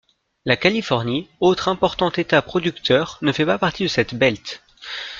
La Californie, autre important État producteur ne fait pas partie de cette Belt.